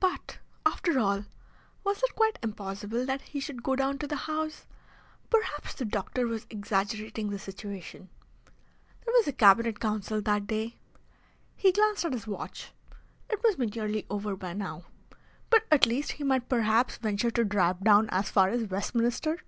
But, after all, was it quite impossible that he should go down to the House? Perhaps the doctor was exaggerating the situation. There was a Cabinet Council that day. He glanced at his watch. It must be nearly over by now. But at least he might perhaps venture to drive down as far as Westminster.